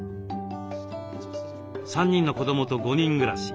３人の子どもと５人暮らし。